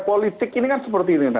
politik ini kan seperti ini